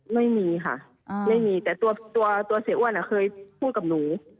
ไม่มีค่ะไม่มีแต่ตัวเสียอ้วนเคยพูดกับหนู